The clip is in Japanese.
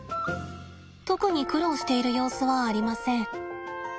特に苦労している様子はありません。